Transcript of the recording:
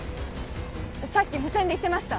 さっき無線で言ってました